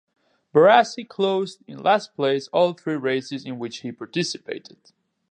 Barassi closed in last place all three races in which he participated.